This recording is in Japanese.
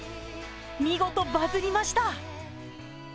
見事バズりました。